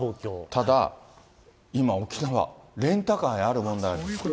ただ、今、沖縄、レンタカーにある問題が。